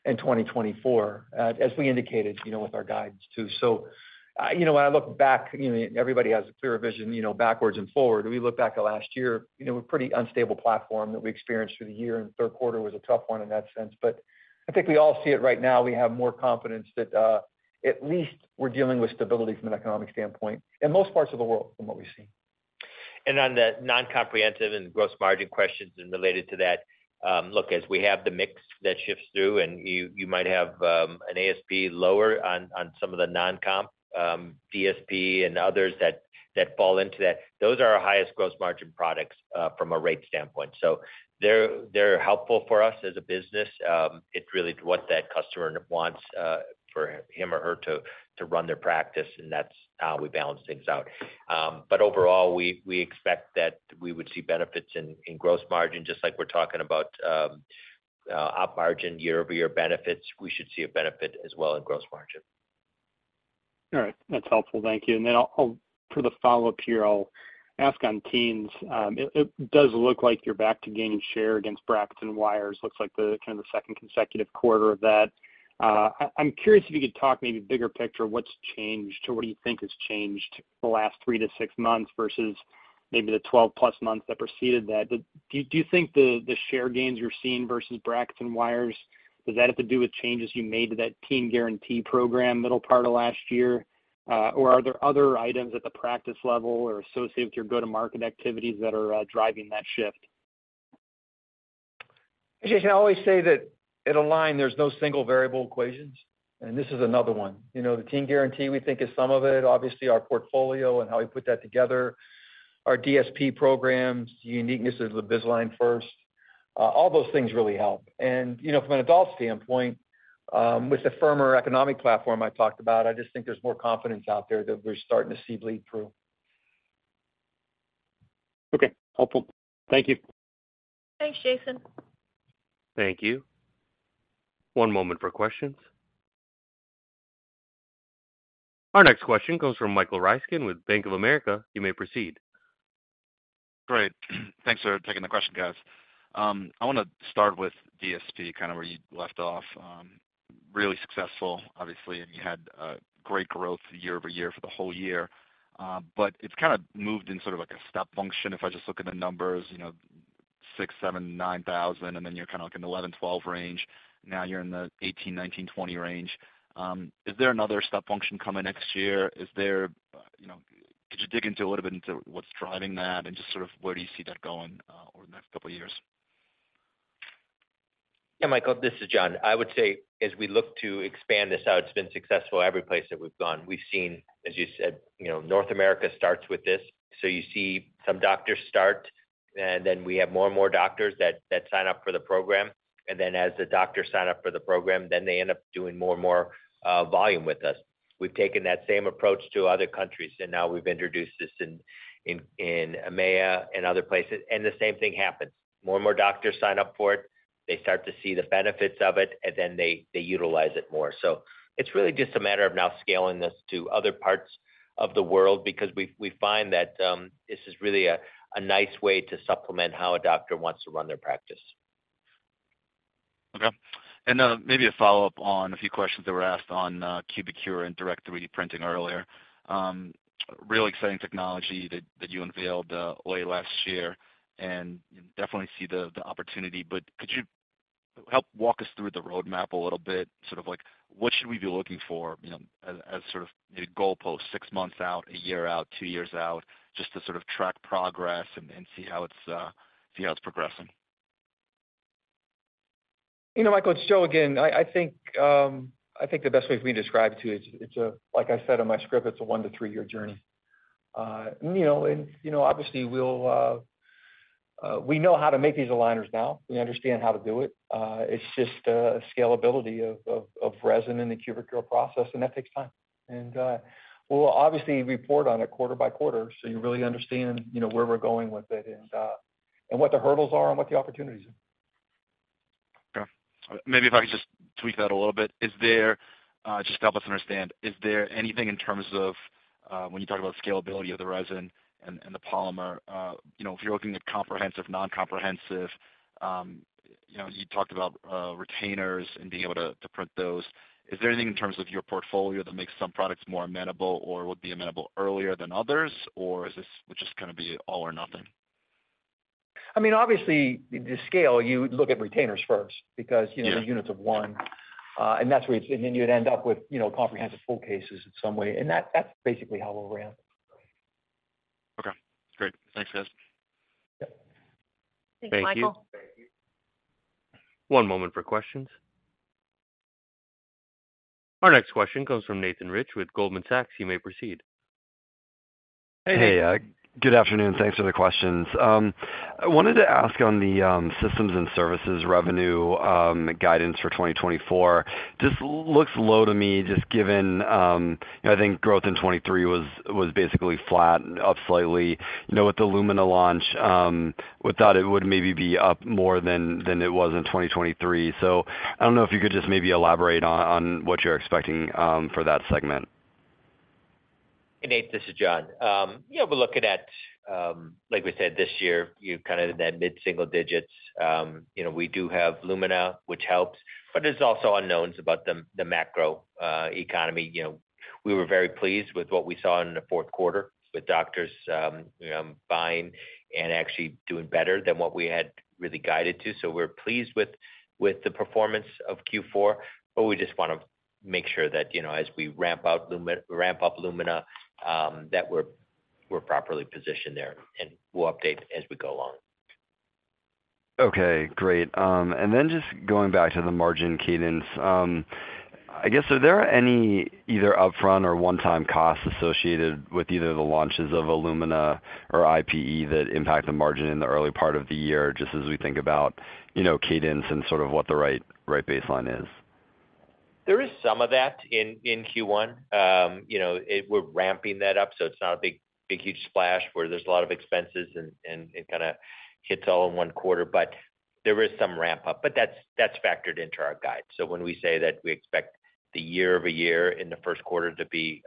in 2024, as we indicated, you know, with our guidance, too. So, you know, when I look back, you know, everybody has a clearer vision, you know, backwards and forward. We look back at last year, you know, a pretty unstable platform that we experienced through the year, and the third quarter was a tough one in that sense. But I think we all see it right now. We have more confidence that, at least we're dealing with stability from an economic standpoint in most parts of the world from what we've seen. On the non-comprehensive and gross margin questions and related to that, look, as we have the mix that shifts through, and you, you might have, an ASP lower on, on some of the non-comp, DSP and others that, that fall into that, those are our highest gross margin products, from a rate standpoint. So they're, they're helpful for us as a business. It's really what that customer wants, for him or her to, to run their practice, and that's how we balance things out. But overall, we, we expect that we would see benefits in, in gross margin, just like we're talking about, op margin year-over-year benefits. We should see a benefit as well in gross margin. All right. That's helpful. Thank you. And then I'll for the follow-up here, I'll ask on teens. It does look like you're back to gaining share against brackets and wires. Looks like kind of the second consecutive quarter of that. I am curious if you could talk maybe bigger picture, what's changed, or what do you think has changed the last three to six months versus maybe the 12+ months that preceded that? Do you think the share gains you're seeing versus brackets and wires, does that have to do with changes you made to that Teen Guarantee program middle part of last year? Or are there other items at the practice level or associated with your go-to-market activities that are driving that shift? Jason, I always say that at Align, there's no single variable equations, and this is another one. You know, the Teen Guarantee, we think, is some of it. Obviously, our portfolio and how we put that together, our DSP programs, the uniqueness of the Invisalign First, all those things really help. And, you know, from an adult standpoint, with the firmer economic platform I talked about, I just think there's more confidence out there that we're starting to see bleed through. Okay, helpful. Thank you. Thanks, Jason. Thank you. One moment for questions. Our next question comes from Michael Ryskin with Bank of America. You may proceed. Great. Thanks for taking the question, guys. I want to start with DSP, kind of where you left off. Really successful, obviously, and you had great growth year-over-year for the whole year. But it's kind of moved in sort of like a step function. If I just look in the numbers, you know, six, seven, 9,000, and then you're kind of like in the 11-12 range. Now you're in the 18-20 range. Is there another step function coming next year? Is there, you know-- Could you dig into a little bit into what's driving that and just sort of where do you see that going over the next couple of years? Yeah, Michael, this is John. I would say, as we look to expand this out, it's been successful every place that we've gone. We've seen, as you said, you know, North America starts with this. So you see some doctors start, and then we have more and more doctors that, that sign up for the program. And then as the doctors sign up for the program, then they end up doing more and more, volume with us. We've taken that same approach to other countries, and now we've introduced this in, in, in EMEA and other places, and the same thing happens. More and more doctors sign up for it, they start to see the benefits of it, and then they, they utilize it more. So it's really just a matter of now scaling this to other parts of the world because we find that this is really a nice way to supplement how a doctor wants to run their practice. Okay. And, maybe a follow-up on a few questions that were asked on, Cubicure and direct 3D printing earlier. Really exciting technology that, that you unveiled, late last year, and you definitely see the, the opportunity, but could you help walk us through the roadmap a little bit? Sort of like, what should we be looking for, you know, as, as sort of a goalpost, six months out, a year out, two years out, just to sort of track progress and, and see how it's, see how it's progressing? You know, Michael, it's Joe again. I think the best way for me to describe it to you, it's a—like I said in my script, it's a one to three year journey. You know, and obviously we'll, we know how to make these aligners now. We understand how to do it. It's just scalability of resin in the Cubicure process, and that takes time. And we'll obviously report on it quarter-by-quarter, so you really understand, you know, where we're going with it and what the hurdles are and what the opportunities are. Okay. Maybe if I could just tweak that a little bit. Is there, just to help us understand, is there anything in terms of, when you talk about scalability of the resin and the polymer, you know, if you're looking at comprehensive, non-comprehensive, you know, you talked about, retainers and being able to print those. Is there anything in terms of your portfolio that makes some products more amenable or would be amenable earlier than others? Or is this would just kind of be all or nothing? I mean, obviously, the scale, you look at retainers first, because, you know- Yeah They're units of one. And that's where it's... And then you'd end up with, you know, comprehensive full cases in some way, and that, that's basically how we'll ramp. Okay, great. Thanks, guys. Yep. Thank you, Michael. Thank you. One moment for questions. Our next question comes from Nathan Rich with Goldman Sachs. You may proceed. Hey, hey, good afternoon, thanks for the questions. I wanted to ask on the systems and services revenue guidance for 2024. Just looks low to me, just given you know, I think growth in 2023 was basically flat and up slightly. You know, with the Lumina launch, we thought it would maybe be up more than it was in 2023. So I don't know if you could just maybe elaborate on what you're expecting for that segment. Hey, Nate, this is John. Yeah, we're looking at, like we said, this year, you kind of in that mid-single digits. You know, we do have Lumina, which helps, but there's also unknowns about the macro economy. You know, we were very pleased with what we saw in the fourth quarter, with doctors buying and actually doing better than what we had really guided to. So we're pleased with the performance of Q4, but we just want to make sure that, you know, as we ramp out Lumina—ramp up Lumina, that we're properly positioned there, and we'll update as we go along. Okay, great. And then just going back to the margin cadence. I guess, are there any either upfront or one-time costs associated with either the launches of iTero Lumina or IPE that impact the margin in the early part of the year, just as we think about, you know, cadence and sort of what the right, right baseline is? There is some of that in Q1. You know, we're ramping that up, so it's not a big, big, huge splash where there's a lot of expenses and it kind of hits all in one quarter, but there is some ramp up. But that's factored into our guide. So when we say that we expect the year-over-year in the first quarter to be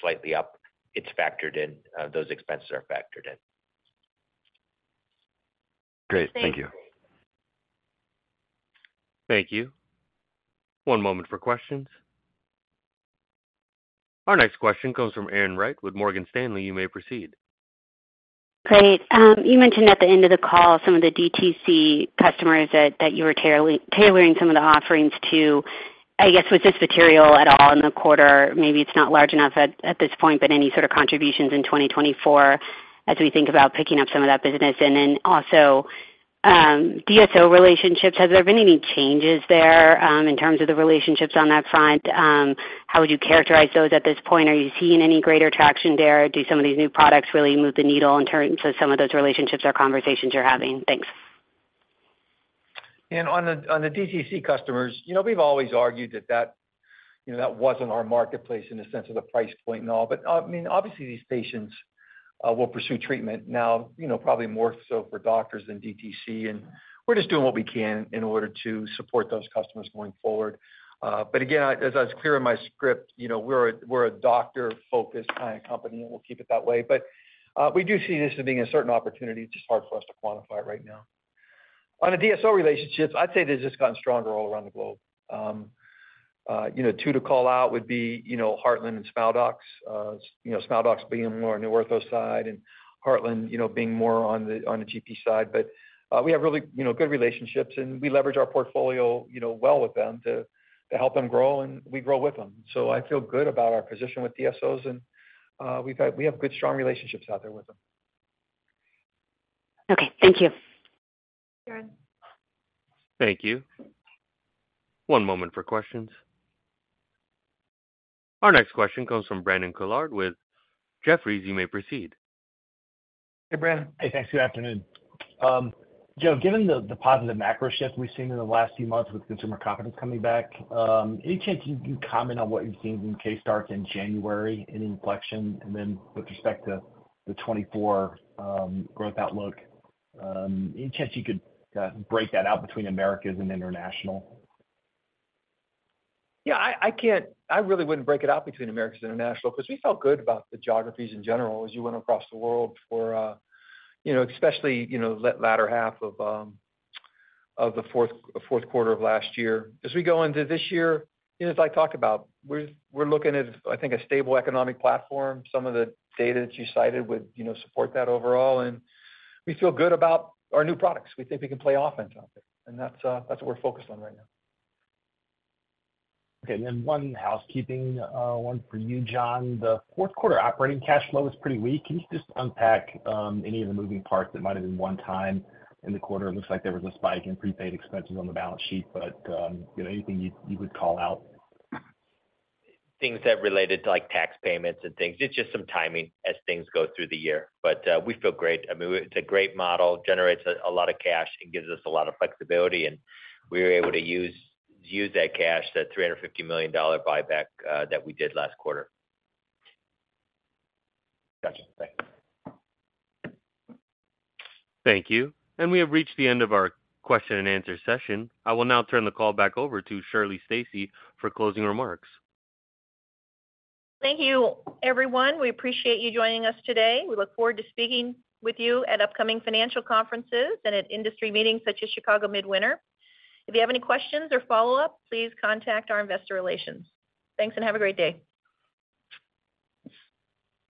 slightly up, it's factored in. Those expenses are factored in. Great. Thank you. Thanks. Thank you. One moment for questions. Our next question comes from Erin Wright with Morgan Stanley. You may proceed. Great. You mentioned at the end of the call some of the DTC customers that you were tailoring some of the offerings to. I guess, was this material at all in the quarter? Maybe it's not large enough at this point, but any sort of contributions in 2024 as we think about picking up some of that business. And then also, DSO relationships, has there been any changes there in terms of the relationships on that front? How would you characterize those at this point? Are you seeing any greater traction there? Do some of these new products really move the needle in terms of some of those relationships or conversations you're having? Thanks. And on the DTC customers, you know, we've always argued that that, you know, that wasn't our marketplace in the sense of the price point and all, but, I mean, obviously these patients will pursue treatment now, you know, probably more so for doctors than DTC, and we're just doing what we can in order to support those customers going forward. But again, as I was clear in my script, you know, we're a, we're a doctor-focused kind of company, and we'll keep it that way. But, we do see this as being a certain opportunity, just hard for us to quantify it right now. On the DSO relationships, I'd say they've just gotten stronger all around the globe. You know, two to call out would be, you know, Heartland and Smile Doctors. You know, Smile Doctors being more on the ortho side and Heartland Dental, you know, being more on the GP side. But we have really, you know, good relationships, and we leverage our portfolio, you know, well with them to help them grow, and we grow with them. So I feel good about our position with DSOs, and we have good, strong relationships out there with them. Okay. Thank you. Thanks, Erin. Thank you. One moment for questions. Our next question comes from Brandon Couillard with Jefferies. You may proceed. Hey, Brandon. Hey, thanks. Good afternoon. Joe, given the positive macro shift we've seen in the last few months with consumer confidence coming back, any chance you can comment on what you've seen in case starts in January, any inflection? And then with respect to the 2024 growth outlook, any chance you could break that out between Americas and International? Yeah, I can't—I really wouldn't break it out between Americas and International, because we felt good about the geographies in general as you went across the world for, you know, especially, you know, the latter half of the fourth quarter of last year. As we go into this year, you know, as I talked about, we're looking at, I think, a stable economic platform. Some of the data that you cited would, you know, support that overall, and we feel good about our new products. We think we can play offense out there, and that's what we're focused on right now. Okay, and then one housekeeping, one for you, John. The fourth quarter operating cash flow was pretty weak. Can you just unpack any of the moving parts that might have been one time in the quarter? It looks like there was a spike in prepaid expenses on the balance sheet, but, you know, anything you'd, you would call out? Things that related to, like, tax payments and things. It's just some timing as things go through the year. But we feel great. I mean, it's a great model, generates a lot of cash and gives us a lot of flexibility, and we were able to use that cash, that $350 million buyback that we did last quarter. Gotcha. Thanks. Thank you. We have reached the end of our question and answer session. I will now turn the call back over to Shirley Stacy for closing remarks. Thank you, everyone. We appreciate you joining us today. We look forward to speaking with you at upcoming financial conferences and at industry meetings such as Chicago Midwinter. If you have any questions or follow-up, please contact our investor relations. Thanks, and have a great day.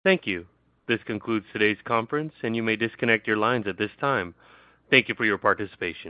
Thank you. This concludes today's conference, and you may disconnect your lines at this time. Thank you for your participation.